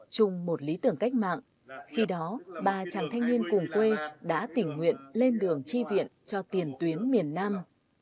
chung một lý tưởng cách mạng khi đó ba chàng thanh niên cùng quê đã tình nguyện lên đường chi viện cho tiền tuyến miền nam